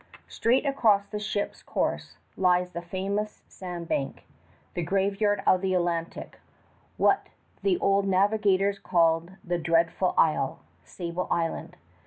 Straight across the ship's course lies the famous sand bank, the graveyard of the Atlantic, what the old navigators called "the dreadful isle," Sable Island.